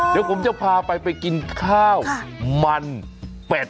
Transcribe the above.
เดี๋ยวผมจะพาไปไปกินข้าวมันเป็ด